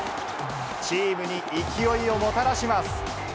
チームに勢いをもたらします。